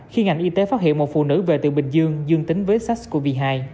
khi ngành y tế phát hiện một phụ nữ về từ bình dương dương tính với sars cov hai